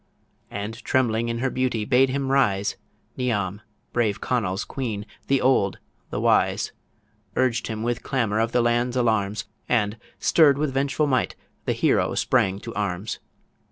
And, trembling in her beauty, bade him rise; Niamh, brave Conal's queen, the old, the wise, Urged him with clamour of the land's alarms, And, stirr'd with vengeful might, the hero sprang to arms.